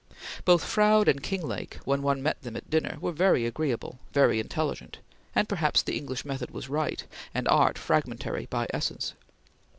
Both Froude and Kinglake, when one met them at dinner, were very agreeable, very intelligent; and perhaps the English method was right, and art fragmentary by essence.